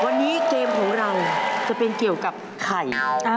วันนี้เกมของเราจะเป็นเกี่ยวกับไข่